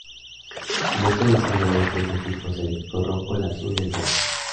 En esta edición había tres equipos: el equipo rojo, el azul y el verde.